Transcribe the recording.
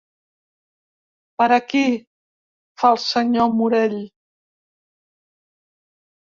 Per aquí —fa el senyor Morell.